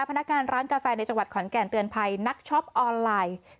พนักงานร้านกาแฟในจังหวัดขอนแก่นเตือนภัยนักช็อปออนไลน์